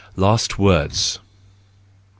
Last Words .